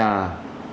mà bây giờ